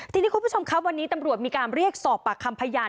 ทีนี้คุณผู้ชมครับวันนี้ตำรวจมีการเรียกสอบปากคำพยาน